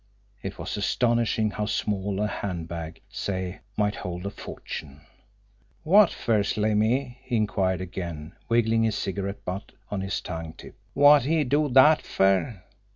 It was astonishing how small a hand bag, say, might hold a fortune! "Wot fer, Slimmy?" he inquired again, wiggling his cigarette butt on his tongue tip. "Wot'd he do dat fer?"